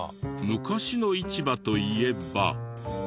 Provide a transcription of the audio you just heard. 昔の市場といえば。